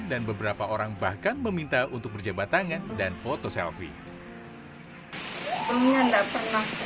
dan beberapa orang bahkan meminta untuk berjabat tangan dan foto selfie